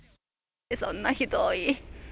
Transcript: そんなひどい。